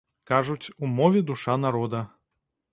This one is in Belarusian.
Кажуць, у мове душа народа.